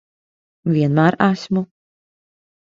Vienmēr esmu.